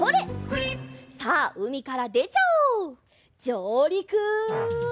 じょうりく！